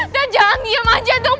dad jangan diem aja dong